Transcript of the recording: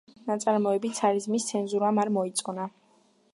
ნაწარმოები ცარიზმის ცენზურამ არ მოიწონა.